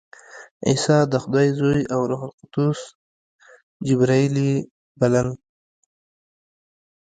عیسی د خدای زوی او روح القدس جبراییل یې بلل.